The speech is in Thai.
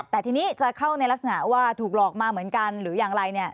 แต่ทีนี้จะเข้าในลักษณะว่าถูกหลอกมาเหมือนกันหรืออย่างไรเนี่ย